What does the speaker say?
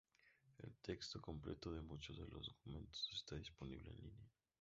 El texto completo de muchos de los documentos está disponible en línea.